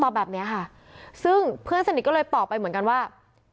แบบเนี้ยค่ะซึ่งเพื่อนสนิทก็เลยตอบไปเหมือนกันว่า